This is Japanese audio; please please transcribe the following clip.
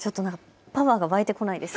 パワーが湧いてこないです。